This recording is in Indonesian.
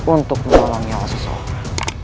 untuk membantu menyelamatkan seseorang